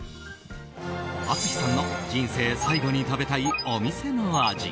淳さんの人生最後に食べたいお店の味。